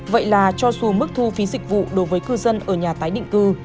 vậy là cho dù mức thu phí dịch vụ đối với cư dân ở nhà tái định cư